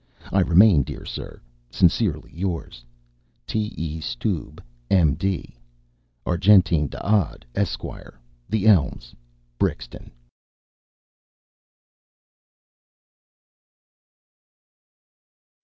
I remain, dear sir, sincerely yours, "T. E. STUBE, M.D. "Argentine D'Odd, Esq., The Elms, Brixton."